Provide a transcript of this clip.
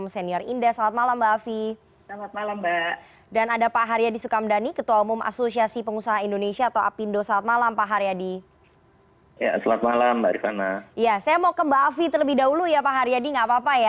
saya mau ke mbak afi terlebih dahulu ya pak haryadi nggak apa apa ya